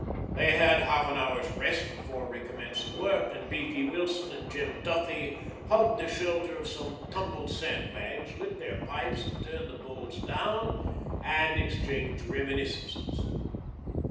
They had half an hour's rest before recommencing work, and Beefy Wilson and Jem Duffy hugged the shelter of some tumbled sandbags, lit their pipes and turned the bowls down, and exchanged reminiscences.